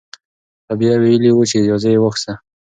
رابعه ویلي وو چې اجازه یې واخیسته.